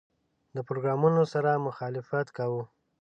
له پروګرامونو سره مخالفت کاوه.